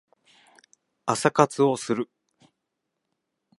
朝活をする